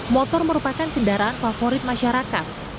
motor merupakan kendaraan favorit masyarakat